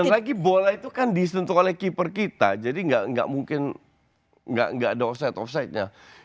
tapi bola itu kan disentuh oleh keeper kita jadi enggak enggak mungkin enggak enggak ada offset offsetnya